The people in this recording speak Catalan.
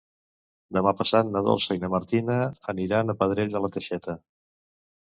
Demà passat na Dolça i na Martina aniran a Pradell de la Teixeta.